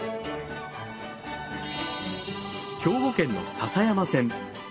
兵庫県の篠山線。